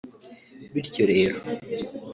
Bityo rero